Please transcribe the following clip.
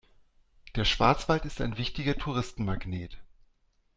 Der Schwarzwald ist ein wichtiger Touristenmagnet.